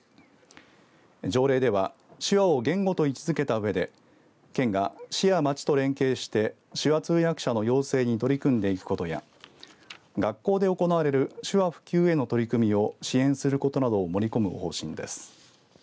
条例では手話を言語と位置づけたうえで県が市や町と連携して手話通訳者の養成に取り組んでいくことや学校で行われる手話普及への取り組みを支援することなどを盛り込む方針です。